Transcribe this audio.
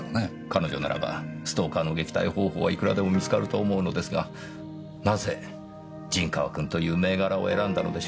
彼女ならばストーカーの撃退方法はいくらでも見つかると思うのですがなぜ陣川君という銘柄を選んだのでしょうねぇ。